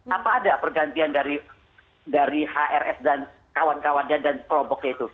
apa ada pergantian dari hrs dan kawan kawannya dan kelompoknya itu